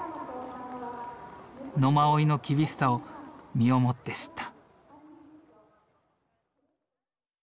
野馬追の厳しさを身をもって知った。